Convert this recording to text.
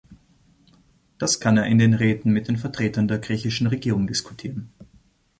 Das kann er in den Räten mit den Vertretern der griechischen Regierung diskutieren.